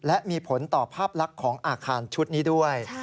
และมีผลต่อภาพลักษณ์ของอาคารชุดนี้ด้วย